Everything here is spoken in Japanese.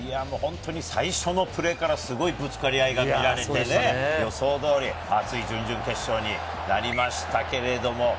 最初のプレーからすごいぶつかり合いが見られて予想通り、熱い準々決勝になりました。